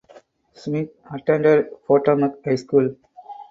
Smith attended Potomac High School.